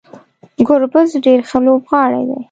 ګربز ډیر ښه لوبغاړی دی